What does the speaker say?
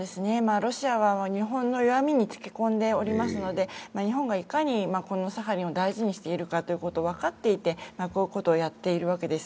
ロシアは日本の弱みにつけ込んでおりますので、日本がいかにこのサハリンを大事にしているかを分かっていていこういうことをやっているわけです。